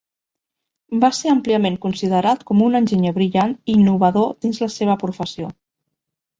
Va ser àmpliament considerat com un enginyer brillant i innovador dins la seva professió.